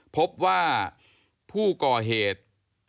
พบว่าผู้ก่อเหตุ